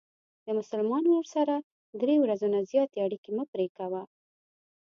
د مسلمان ورور سره له درې ورځو نه زیاتې اړیکې مه پری کوه.